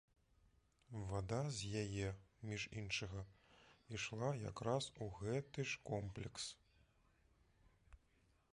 Вада з яе, між іншага, ішла якраз у гэты ж комплекс?